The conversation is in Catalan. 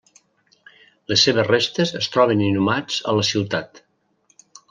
Les seves restes es troben inhumats a la ciutat.